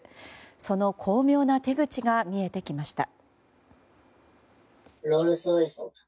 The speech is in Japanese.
その巧妙な手口が見えてきました。